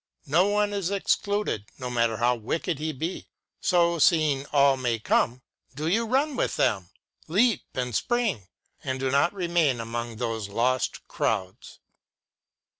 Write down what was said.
No one is excluded, no matter how wicked he be. So, seeing all may come, do you run with them, leap and spring, and do not remain among those lost crowds.